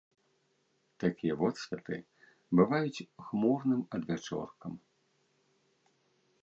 Такія водсветы бываюць хмурным адвячоркам.